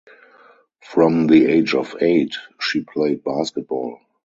From the age of eight she played basketball.